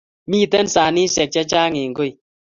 Miten sanishek chechang eng kooi